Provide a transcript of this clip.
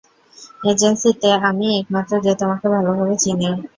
এজেন্সিতে আমিই একমাত্র যে তোমাকে ভালোভাবে চিনি।